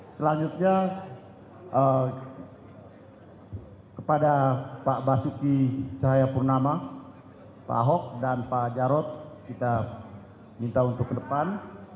selanjutnya kepada pak basuki cahayapurnama pak ahok dan pak jarod kita minta untuk ke depan